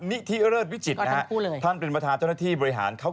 นิธิเลิศวิจิตรนะฮะท่านเป็นประธานเจ้าหน้าที่บริหารเขา